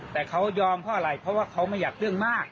แต่เขายอมเพราะอะไรเพราะว่าเขาไม่อยากเรื่องมาก